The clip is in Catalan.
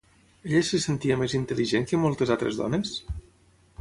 Ella se sentia més intel·ligent que moltes altres dones?